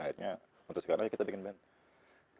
akhirnya untuk sekarang ayo kita bikin band